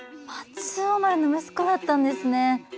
松王丸の息子だったんですね。